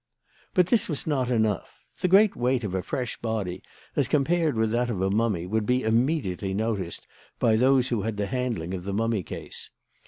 "But this was not enough. The great weight of a fresh body as compared with that of a mummy would be immediately noticed by those who had the handling of the mummy case.